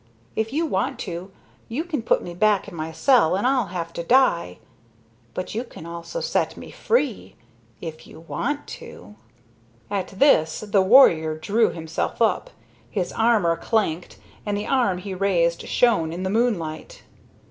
If you want to, you can put me back in my cell, and I'll have to die. But you can also set me free if you want to." At this the warrior drew himself up. His armor clanked, and the arm he raised shone in the moonlight.